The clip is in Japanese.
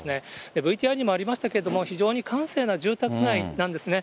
ＶＴＲにもありましたけれども、非常に閑静な住宅街なんですね。